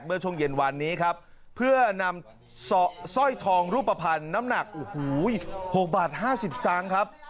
เมื่อช่วงเย็นวันนี้ครับเพื่อนำสร้อยทองรูปภัณฑ์น้ำหนัก๖บาท๕๐สตางค์ครับ